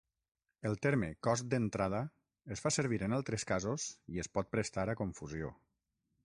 El terme "cost d'entrada" es fa servir en altres casos i es pot prestar a confusió.